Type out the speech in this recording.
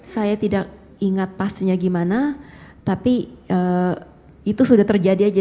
saya tidak ingat pastinya gimana tapi itu sudah terjadi aja